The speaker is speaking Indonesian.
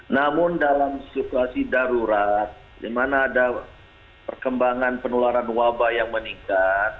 namun dalam situasi darurat di mana ada perkembangan penularan wabah yang meningkat